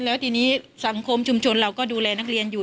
แล้วทีนี้สังคมชุมชนเราก็ดูแลนักเรียนอยู่